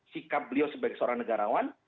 sikap beliau sebagai seorang negarawan